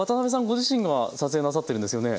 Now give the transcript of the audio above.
ご自身が撮影なさってるんですよね。